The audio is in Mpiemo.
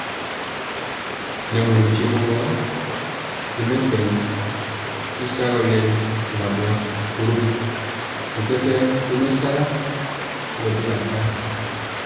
Nɛ mori mpiemɔ gɔ ri mɛtɛgɔ y sagɔ lɛmi kora boa, borom bi kɛkɛɛ tomesala kolo bela para.